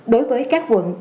đối với các quận